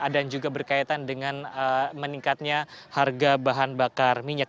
dan juga berkaitan dengan meningkatnya harga bahan bakar minyak